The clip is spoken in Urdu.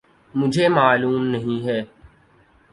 مجھے معلوم نہیں ہے۔